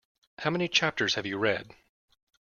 How many chapters have you read?